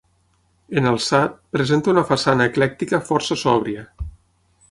En alçat, presenta una façana eclèctica força sòbria.